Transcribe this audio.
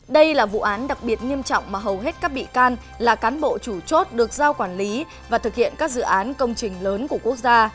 đây là vụ án đặc biệt nghiêm trọng mà hầu hết các bị can là cán bộ chủ chốt được giao quản lý và thực hiện các dự án công trình lớn của quốc gia